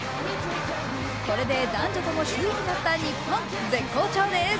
これで男女とも首位に立った日本、絶好調です。